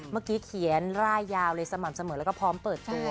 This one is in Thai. เมื่อกี้เขียนร่ายยาวเลยสม่ำเสมอแล้วก็พร้อมเปิดตัว